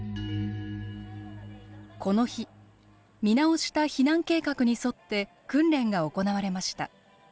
この日見直した避難計画に沿って訓練が行われました。